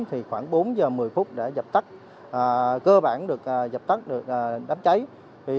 thì khoảng bốn giờ một mươi phút để dập tắt cơ bản được dập tắt được đám cháy